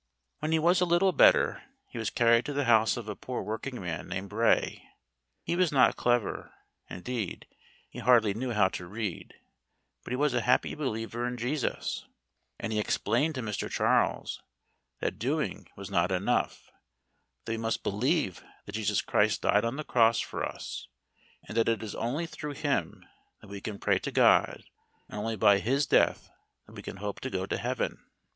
When he was a little better, he was carried to the house of a poor working man named Bray. He was not clever, indeed, he hardly knew how to read, but he was a happy believer in Jesus; and he explained to Mr. Charles that doing was not enough, that we must believe that Jesus Christ died on the cross for us, and that it is only through Him that we can pray to God, and only by His death that we can hope to go to heaven.